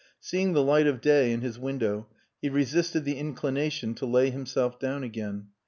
Seeing the light of day in his window, he resisted the inclination to lay himself down again.